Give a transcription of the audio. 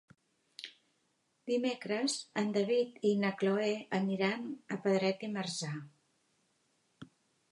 Dimecres en David i na Cloè aniran a Pedret i Marzà.